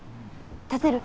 立てる？